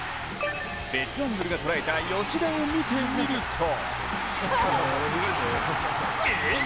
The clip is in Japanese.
別アングルが捉えた吉田を見てみるとえっ？